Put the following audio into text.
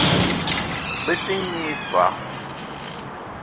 Bete nyi i soag.